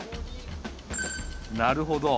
なるほど。